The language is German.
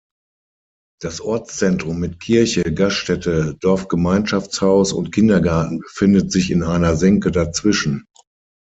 Das Ortszentrum mit Kirche, Gaststätte, Dorfgemeinschaftshaus und Kindergarten befindet sich in einer Senke dazwischen.